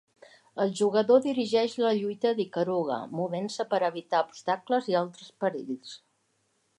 El jugador dirigeix la lluita d'Ikaruga, movent-se per a evitar obstacles i altres perills.